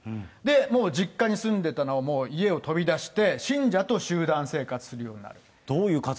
もう実家に住んでたのを、家を飛び出して、信者と集団生活するようになる。